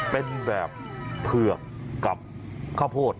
เป็นแบบเผือกกับข้าวโพด